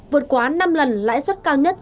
vượt quá năm lần lãi suất cao nhất